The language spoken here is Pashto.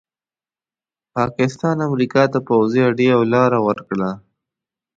پاکستان امریکا ته پوځي هډې او لاره ورکړه.